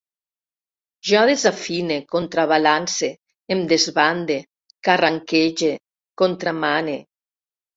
Jo desafine, contrabalance, em desbande, carranquege, contramane